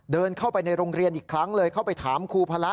เดินเข้าไปในโรงเรียนอีกครั้งเลยเข้าไปถามครูพระ